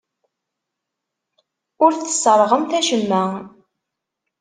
Ur tesserɣemt acemma.